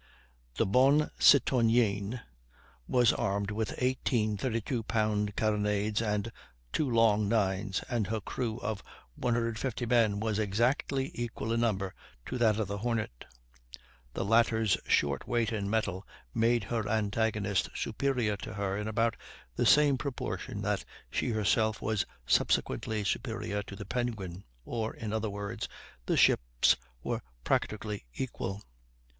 The Bonne Citoyenne was armed with 18 32 pound carronades and 2 long nines, and her crew of 150 men was exactly equal in number to that of the Hornet; the latter's short weight in metal made her antagonist superior to her in about the same proportion that she herself was subsequently superior to the Penguin, or, in other words, the ships were practically equal.